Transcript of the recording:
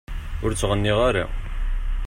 Ur ttɣenniɣ ara.